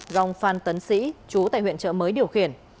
gòng phan tấn sĩ chú tại huyện chợ mới điều khiển